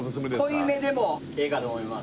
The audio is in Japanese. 濃いめでもええかと思います